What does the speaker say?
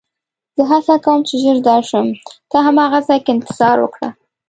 زه هڅه کوم چې ژر درشم، ته هماغه ځای کې انتظار وکړه.